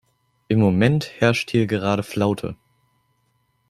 Im Moment herrscht hier gerade Flaute.